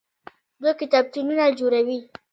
دوی کتابتونونه جوړوي.